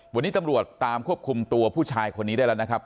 วันนี้ตำรวจตามควบคุมตัวผู้ชายคนนี้ได้แล้วนะครับ